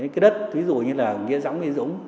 cái đất ví dụ như là nghĩa dõng y dũng